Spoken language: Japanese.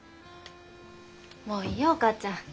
もういいよお母ちゃん。